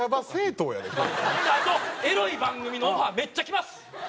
あとエロい番組のオファーめっちゃきます！